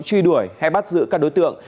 truy đuổi hay bắt giữ các đối tượng